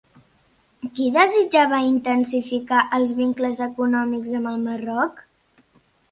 Qui desitjava intensificar els vincles econòmics amb el Marroc?